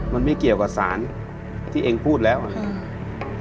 มันไม่เกี่ยวกับสารที่เองพูดแล้วนะครับ